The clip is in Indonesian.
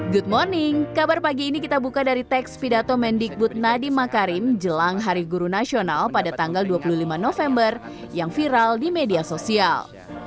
good morning kabar pagi ini kita buka dari teks pidato mendikbud nadiem makarim jelang hari guru nasional pada tanggal dua puluh lima november yang viral di media sosial